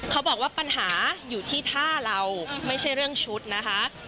เขาบอกว่าปัญหาอยู่ที่ท่าเราไม่ใช่เรื่องชุดนะคะ